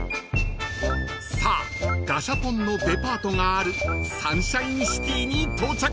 ［さあガシャポンのデパートがあるサンシャインシティに到着です］